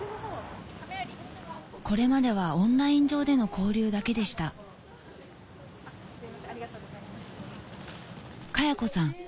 これまではオンライン上での交流だけでしたかや子さん